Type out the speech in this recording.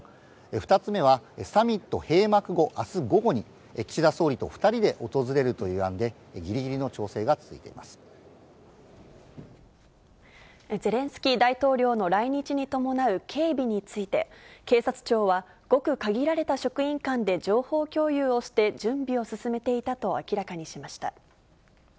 ２つ目は、サミット閉幕後、あす午後に、岸田総理と２人で訪れるという案で、ぎりぎりの調整が続いていまゼレンスキー大統領の来日に伴う警備について、警察庁は、ごく限られた職員間で情報共有をして準備を進めていたと明らかにしました。